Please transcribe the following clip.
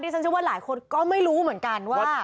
ฉันเชื่อว่าหลายคนก็ไม่รู้เหมือนกันว่า